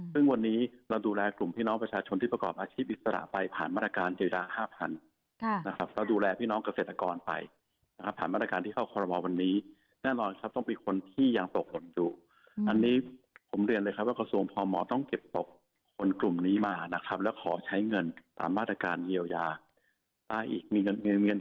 ซึ่งวันนี้เราดูแลกลุ่มพี่น้องประชาชนที่ประกอบอาชีพอิสระไปผ่านมาตรการเจรจาห้าพันนะครับแล้วดูแลพี่น้องเกษตรกรไปนะครับผ่านมาตรการที่เข้าคอรมอลวันนี้แน่นอนครับต้องมีคนที่ยังตกหล่นอยู่อันนี้ผมเรียนเลยครับว่ากระทรวงพมต้องเก็บตกคนกลุ่มนี้มานะครับแล้วขอใช้เงินตามมาตรการเยียวยาได้อีกมีเงิน